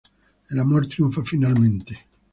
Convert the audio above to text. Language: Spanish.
El amor triunfa finalmente.